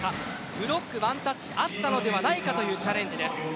ブロックワンタッチあったのではないかというチャレンジです。